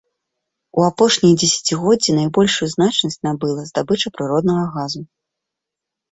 У апошнія дзесяцігоддзі найбольшую значнасць набыла здабыча прыроднага газу.